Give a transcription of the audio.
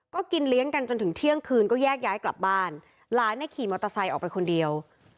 ก็กินเลี้ยงกันจนถึงเที่ยงคืนก็แยกย้ายกลับบ้านหลานเนี่ยขี่มอเตอร์ไซค์ออกไปคนเดียว